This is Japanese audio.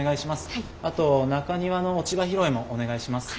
あと中庭の落ち葉拾いもお願いします。